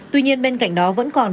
tuy nhiên bên cạnh đó vẫn còn